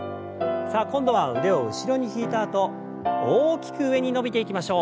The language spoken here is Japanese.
さあ今度は腕を後ろに引いたあと大きく上に伸びていきましょう。